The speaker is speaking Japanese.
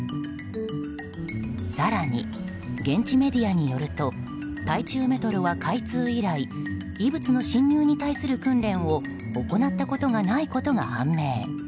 更に現地メディアによると台中メトロは開通以来異物の侵入に対する訓練を行ったことがないことが判明。